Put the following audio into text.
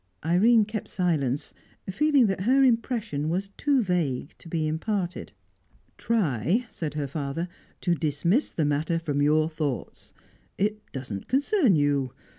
Irene kept silence, feeling that her impression was too vague to be imparted. "Try," said her father, "to dismiss the matter from your thoughts. It doesn't concern you.